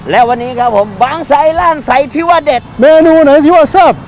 และวันนี้ครับผมบางสายล่านสายที่ว่าเด็ดเมนูไหนที่ว่าซับ